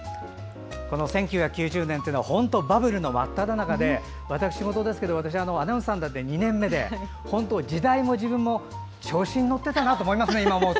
１９９０年というのは本当にバブルの真っただ中で私事ですけど、私アナウンサーになって２年目で本当、時代も自分も調子に乗っていたなと思いますね。